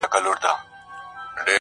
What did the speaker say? • سوداګر ته پیر ویله چي هوښیار یې -